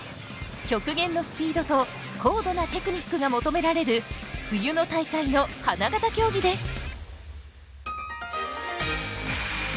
極限のスピードと高度なテクニックが求められる冬の大会の花形競技です。